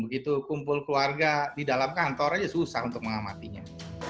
begitu kumpul keluarga di dalam kantor aja susah untuk mengamatinya